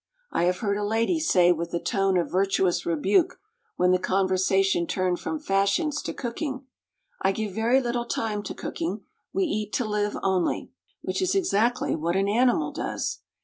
I have heard a lady say with a tone of virtuous rebuke, when the conversation turned from fashions to cooking, "I give very little time to cooking, we eat to live only" which is exactly what an animal does.